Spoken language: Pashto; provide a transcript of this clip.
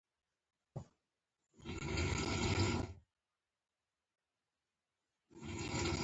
ترموز د سړیتوب یاد دی.